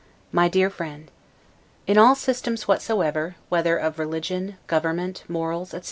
MY DEAR FRIEND: In all systems whatsoever, whether of religion, government, morals, etc.